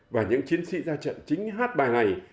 và những chiến sĩ ra trận chính hát bài này